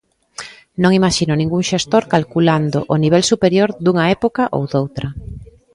Non imaxino ningún xestor calculando o nivel superior dunha época ou o doutra.